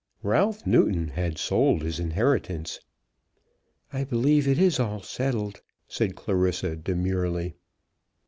Ralph Newton had sold his inheritance. "I believe it is all settled," said Clarissa, demurely.